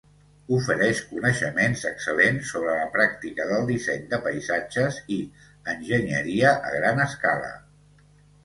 Ofereix coneixements excel·lents sobre la pràctica del disseny de paisatges i enginyeria a gran escala.